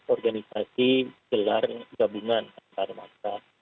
organisasi gelar gabungan antarmata